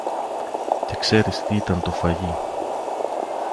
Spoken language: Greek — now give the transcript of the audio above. Και ξέρεις τι ήταν το φαγί